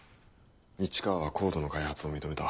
市川はＣＯＤＥの開発を認めた。